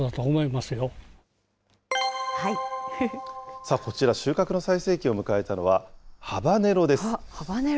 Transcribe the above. さあ、こちら、収穫の最盛期を迎えたのは、ハバネロです。